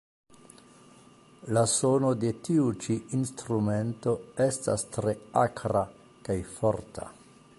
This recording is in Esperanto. La sono de tiu ĉi instrumento estas tre akra kaj forta.